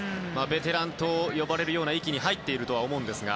ベテランと呼ばれるような域に入っているとは思うんですが。